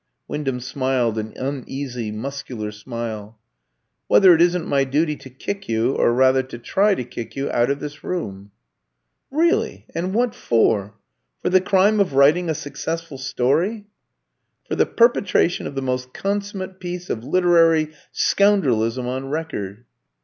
Wyndham smiled an uneasy muscular smile. "Whether it isn't my duty to kick you, or rather to try to kick you, out of this room." "Really; and what for? For the crime of writing a successful story?" "For the perpetration of the most consummate piece of literary scoundrelism on record."